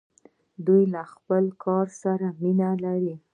دوی له خپل کار سره مینه لري.